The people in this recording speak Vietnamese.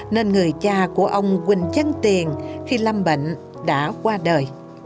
và chất lượng của ông quỳnh văn tiền khi lâm bệnh đã qua đời